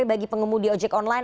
bagi pengemudi ojek online